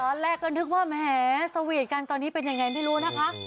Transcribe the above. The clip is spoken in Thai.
ตอนแรกก็นึกว่าแหมสวีทกันตอนนี้เป็นยังไงไม่รู้นะคะ